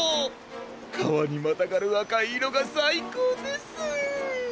かわにまたがるあかいいろがさいこうです！